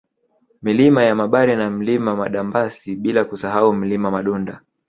Milima ya Mabare na Mlima Madambasi bila kusahau Mlima Madunda